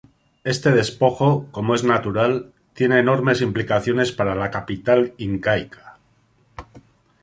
Este despojo, como es natural, tiene enormes implicaciones para la capital incaica.